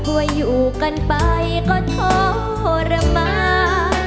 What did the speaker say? ว่าอยู่กันไปก็ทรมาน